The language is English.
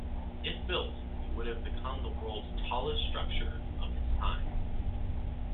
If built, it would have become the world's tallest structure of its time.